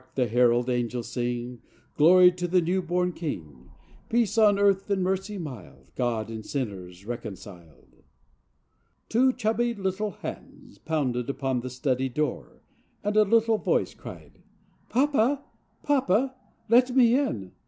the herald angels sing Glory to the new born King; Peace on earth and mercy mild, God and sinners reconciled !"[ 17 ] Two chubby little hands pounded upon the study door and a little voice cried: " Papa, papa, let me in